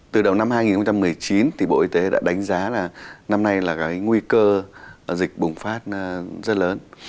từ đầu năm hai nghìn một mươi chín thì bộ y tế đã đánh giá là năm nay là cái nguy cơ dịch bùng phát rất lớn